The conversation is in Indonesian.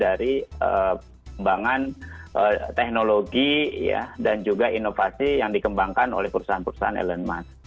dan itu menjadi bagian dari pengembangan teknologi ya dan juga inovasi yang dikembangkan oleh perusahaan perusahaan endle learn mas